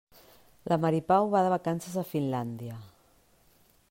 La Mari Pau va de vacances a Finlàndia.